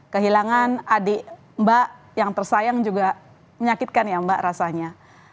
kehilangan adik mbak yang tersayang juga menyakitkan ya mbak rasanya